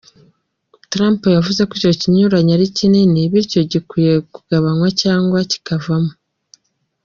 Trump yavuze ko icyo kinyuranyo ari kinini bityo gikwiye kugabanywa cyangwa kikavamo.